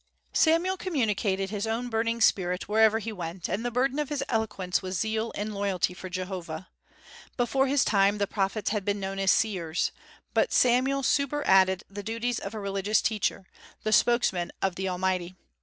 Samuel communicated his own burning spirit wherever he went, and the burden of his eloquence was zeal and loyalty for Jehovah. Before his time the prophets had been known as seers; but Samuel superadded the duties of a religious teacher, the spokesman of the Almighty.